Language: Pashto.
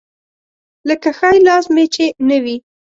لکه ښی لاس مې چې نه وي.